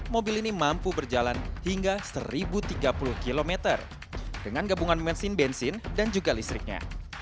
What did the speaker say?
mobil ini mampu berjalan hingga seribu tiga puluh km dengan gabungan bensin bensin dan juga listriknya